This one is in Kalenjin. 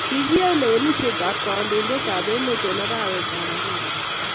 kikiyai lewenishet ab kandoindet ab emet en arawet ab agenge .